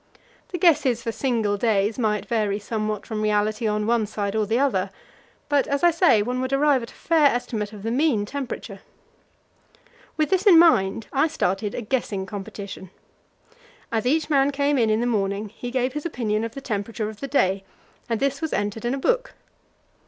The guesses for single days might vary somewhat from reality on one side or the other, but, as I say, one would arrive at a fair estimate of the mean temperature. With this in my mind I started a guessing competition. As each man came in in the morning he gave his opinion of the temperature of the day, and this was entered in a book.